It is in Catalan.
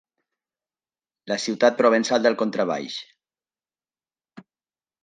La ciutat provençal del contrabaix.